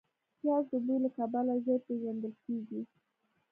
پیاز د بوی له کبله ژر پېژندل کېږي